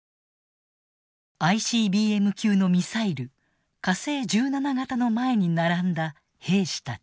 ＩＣＢＭ級のミサイル火星１７型の前に並んだ兵士たち。